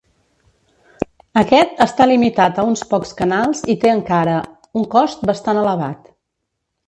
Aquest està limitat a uns pocs canals i té encara un cost bastant elevat.